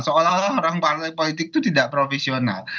seolah olah orang partai politik itu tidak profesional